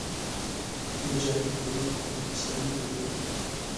مجاهد د نیکو خلکو سره مینه لري.